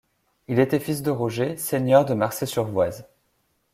Il était fils de Roger, seigneur de Marcey-sur-Voise.